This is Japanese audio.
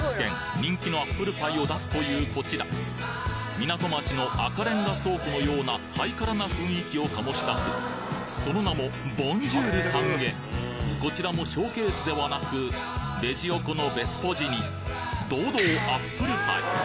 人気のアップルパイを出すというこちら港町の赤煉瓦倉庫のようなハイカラな雰囲気を醸し出すその名もボンジュールさんへこちらもショーケースではなくレジ横のベスポジに堂々アップルパイ！